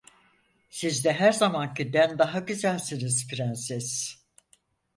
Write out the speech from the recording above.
Siz de her zamankinden daha güzelsiniz, Prenses!